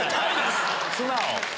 素直。